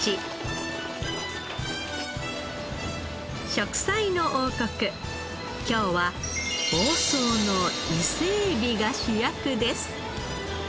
『食彩の王国』今日は房総の伊勢えびが主役です。